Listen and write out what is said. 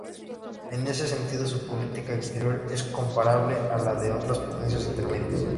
En ese sentido, su política exterior es comparable a la de otras potencias intermedias.